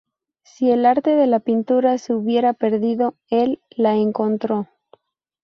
Si el arte de la pintura se hubiera perdido, el la encontró.